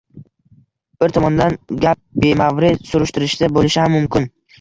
Bir tomondan gap, bemavrid surishtirishda bo‘lishi ham mumkin: